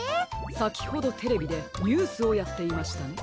さきほどテレビでニュースをやっていましたね。